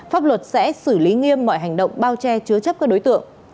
pháp luật sẽ xử lý nghiêm mọi hành động bao che chứa chấp các đối tượng